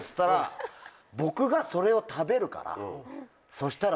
そしたら。